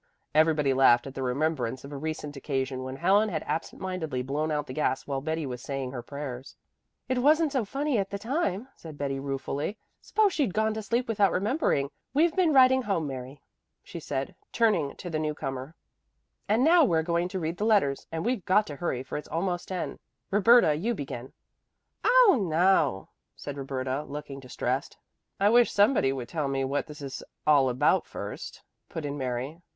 Everybody laughed at the remembrance of a recent occasion when Helen had absent mindedly blown out the gas while Betty was saying her prayers. "It wasn't so funny at the time," said Betty ruefully. "Suppose she'd gone to sleep without remembering. We've been writing home, Mary," she said, turning to the newcomer, "and now we're going to read the letters, and we've got to hurry, for it's almost ten. Roberta, you begin." "Oh no," said Roberta, looking distressed. "I wish somebody would tell me what this is all about first," put in Mary.